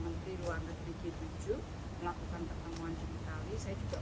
intinya adalah merupakan kewajiban dari kita semua untuk mencoba menyeskalasi virus